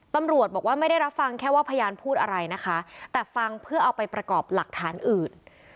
ตำรวจบอกว่าไม่ได้รับฟังแค่ว่าพยานพูดอะไรนะคะแต่ฟังเพื่อเอาไปประกอบหลักฐานอื่น